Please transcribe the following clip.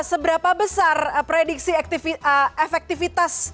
seberapa besar prediksi efektivitas